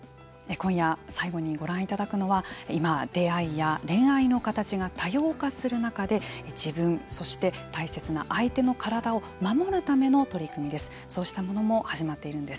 今夜、最後にご覧いただくのは今、出会いや恋愛の形が多様化する中で自分、そして大切な相手の体を守るための取り組みです。